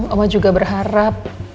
oma juga berharap